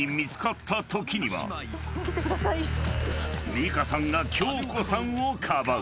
［美香さんが恭子さんをかばう］